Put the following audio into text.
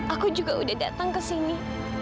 aku juga udah datang ke sini